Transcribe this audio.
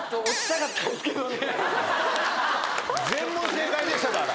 全問正解でしたから。